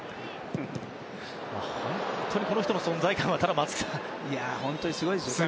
本当に、この人の存在感はすごいですよ。